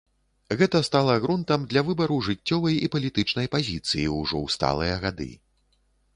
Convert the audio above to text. Гэта стала грунтам для выбару жыццёвай і палітычнай пазіцыі ўжо ў сталыя гады.